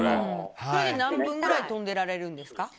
何分ぐらい飛んでられるんですか？